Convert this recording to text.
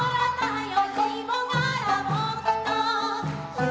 はい。